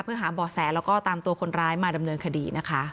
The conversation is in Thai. เพื่อหาบ่อแสแล้วก็ตามตัวคนร้ายมาดำเนินคดีนะคะ